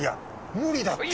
無理だって！